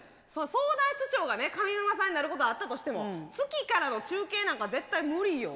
相談室長がね上沼さんになることはあったとしても月からの中継なんか絶対無理よ。